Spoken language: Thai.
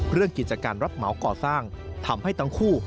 กิจการรับเหมาก่อสร้างทำให้ทั้งคู่